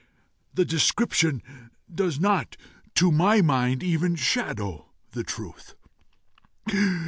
The description does not, to my mind, even shadow the truth.